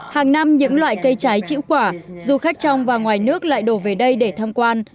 hàng năm những loại cây trái quả du khách trong và ngoài nước lại đổ về đây để tham quan